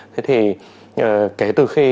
thế thì kể từ khi